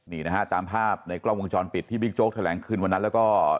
นี่นะฮะตามภาพในกล้องวงจรปิดที่บิ๊กโจ๊กแถลงคืนวันนั้นแล้วก็